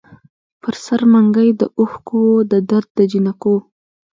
پر سر منګي د اوښکـــــو وو د درد دجینکــــو